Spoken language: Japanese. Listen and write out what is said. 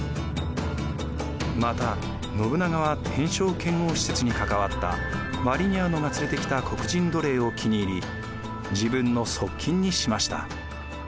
また信長は天正遣欧使節に関わったヴァリニャーノが連れてきた黒人奴隷を気に入り自分の側近にしました。